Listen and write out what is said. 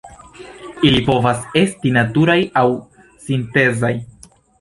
Ili povas esti naturaj aŭ sintezaj.